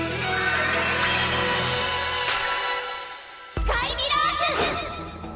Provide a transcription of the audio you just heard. スカイミラージュ！